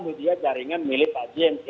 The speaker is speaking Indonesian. media jaringan milik pak james